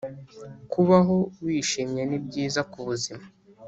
kubaho wishimye ni byiza k’ ubuzima